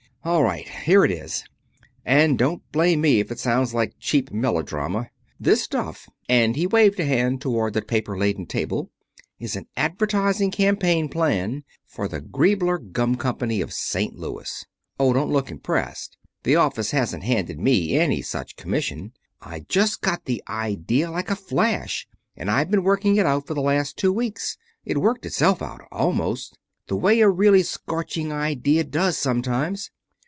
"All right. Here it is. And don't blame me if it sounds like cheap melodrama. This stuff," and he waved a hand toward the paper laden table, "is an advertising campaign plan for the Griebler Gum Company, of St. Louis. Oh, don't look impressed. The office hasn't handed me any such commission. I just got the idea like a flash, and I've been working it out for the last two weeks. It worked itself out, almost the way a really scorching idea does, sometimes.